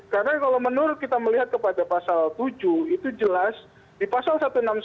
karena kalau menurut kita melihat kepada pasal tujuh itu jelas di pasal satu ratus enam puluh sembilan